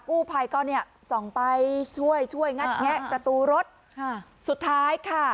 กู้ภัยก็เนี่ยส่องไปช่วยช่วยงัดแงะประตูรถค่ะสุดท้ายค่ะ